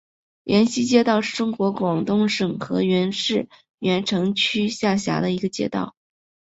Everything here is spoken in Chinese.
源西街道是中国广东省河源市源城区下辖的一个街道。